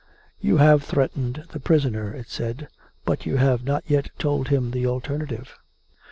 " You have threatened the prisoner," it said, " but you have not yet told him the alternative."